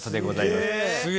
すげえ。